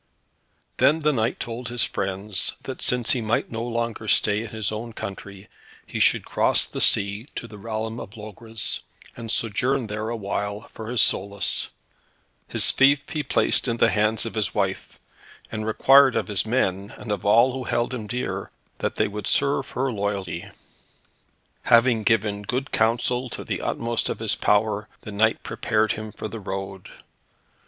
Then the knight told his friends that since he might no longer stay in his own country, he should cross the sea to the realm of Logres, and sojourn there awhile, for his solace. His fief he placed in the hands of his wife, and he required of his men, and of all who held him dear, that they would serve her loyally. Having given good counsel to the utmost of his power, the knight prepared him for the road.